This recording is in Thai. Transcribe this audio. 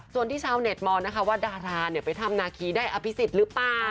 ส่วนที่ชาวเน็ตมองนะคะว่าดาราไปถ้ำนาคีได้อภิษฎหรือเปล่า